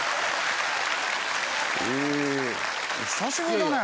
え久しぶりだね。